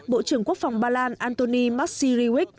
bộ trưởng quốc phòng bà lan antony macierewicz